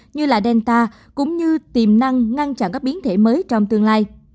như là delta cũng như tiềm năng ngăn chặn các biến thể mới trong tương lai